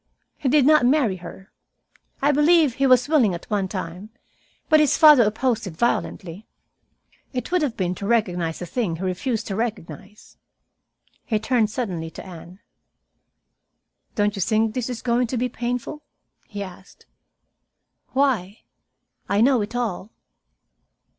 He did not marry her. I believe he was willing at one time, but his father opposed it violently. It would have been to recognize a thing he refused to recognize." He turned suddenly to Anne. "Don't you think this is going to be painful?" he asked. "Why? I know it all."